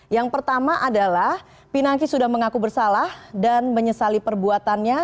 yang pertama adalah pinangki sudah mengaku bersalah dan menyesali perbuatannya